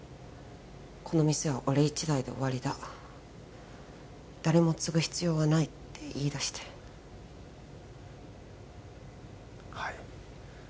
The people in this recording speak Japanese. この店は俺一代で終わりだ誰も継ぐ必要はないって言いだしてはい